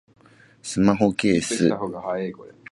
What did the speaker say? スマホケース